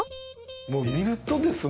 もう見るとですね。